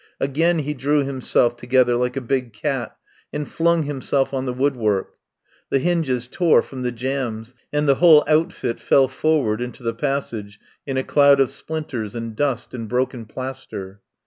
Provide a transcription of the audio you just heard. Again he drew himself together like a big cat and flung himself on the woodwork. The hinges tore from the jambs and the whole outfit fell forward into the passage in a cloud of splinters and dust and broken plaster.